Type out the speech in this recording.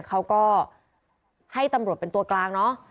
เขาก็ให้ตำรวจเป็นตัวกลางเนอะ